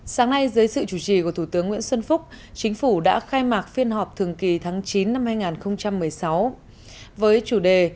sáng nay dưới sự chủ trì của thủ tướng nguyễn xuân phúc chính phủ đã khai mạc phiên họp thường kỳ tháng chín năm hai nghìn một mươi sáu với chủ đề